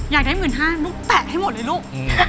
อยากได้หมื่นห้าลูกแตะให้หมดเลยลูก